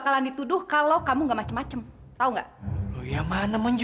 lo keluar sana liat